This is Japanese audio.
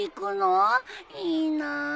いいなあ。